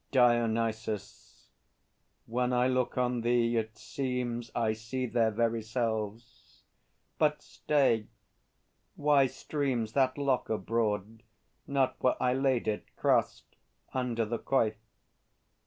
DIONYSUS. When I look on thee, it seems I see their very selves! But stay; why streams That lock abroad, not where I laid it, crossed Under the coif?